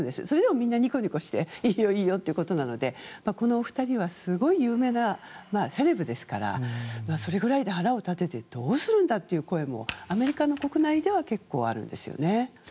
それでもみんなニコニコしていいよ、いいよってことなのでこの２人はすごい有名なセレブですからそれぐらいで腹を立ててどうするんだという声もアメリカ国内では結構あるんですよね。